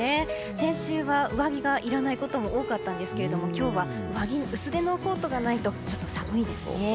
先週は上着がいらないことも多かったんですが今日は薄手のコートがないとちょっと寒いですね。